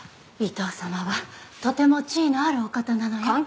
伊藤様はとても地位のあるお方なのよ。